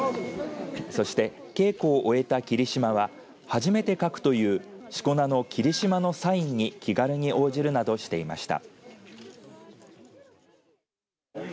そして、稽古を終えた霧島は初めて書くというしこ名の霧島のサインに気軽に応じるなどしていました。